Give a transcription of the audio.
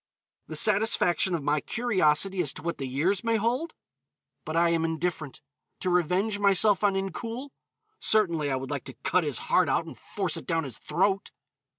The satisfaction of my curiosity as to what the years may hold? But I am indifferent. To revenge myself on Incoul. Certainly, I would like to cut his heart out and force it down his throat!